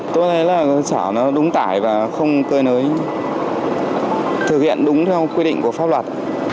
tôi thấy là xã đúng tải và không cơi nới thực hiện đúng theo quy định của pháp luật